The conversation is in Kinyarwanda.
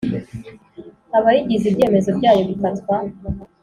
abayigize Ibyemezo byayo bifatwa